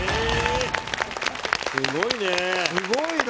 すごいね。